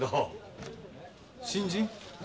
新人？